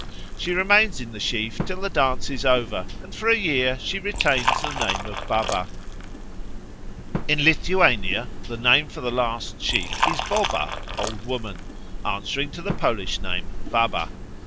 She remains in the sheaf till the dance is over, and for a year she retains the name of Baba. In Lithuania the name for the last sheaf is Boba (Old Woman), answering to the Polish name Baba.